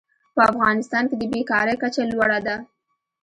په افغانستان کې د بېکارۍ کچه لوړه ده.